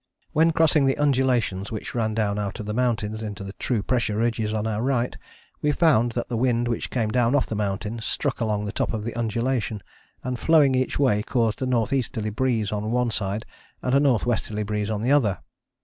When crossing the undulations which ran down out of the mountain into the true pressure ridges on our right we found that the wind which came down off the mountain struck along the top of the undulation, and flowing each way, caused a N.E. breeze on one side and a N.W. breeze on the other.